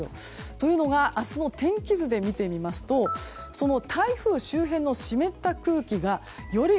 というのが明日の天気図で見てみますと台風周辺の湿った空気がより